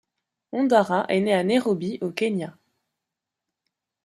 Ondara est né à Nairobi au Kenya.